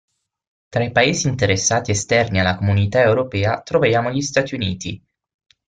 Tra i paesi interessati esterni alla Comunità Europea troviamo gli Stati Uniti.